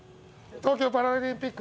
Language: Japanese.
東京パラリンピック